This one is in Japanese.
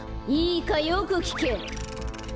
いいかよくきけ！